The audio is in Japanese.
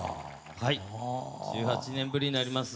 はい、１８年ぶりになります。